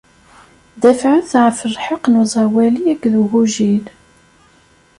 Dafɛet ɣef lḥeqq n uẓawali akked ugujil.